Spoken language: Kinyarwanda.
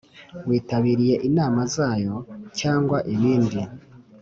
witabiriye inama zayo cyangwa ibindi